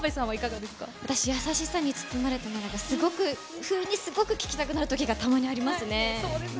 私、やさしさに包まれたならが、すごく不意に、すごく聴きたくなるときがありますね。